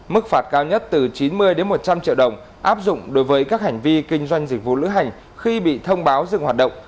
mức phạt cao nhất từ chín mươi một trăm linh triệu đồng áp dụng đối với các hành vi kinh doanh dịch vụ lữ hành khi bị thông báo dừng hoạt động